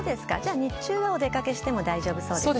日中はお出掛けしても大丈夫そうですね。